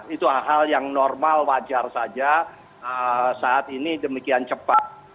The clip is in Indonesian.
itu hal hal yang normal wajar saja saat ini demikian cepat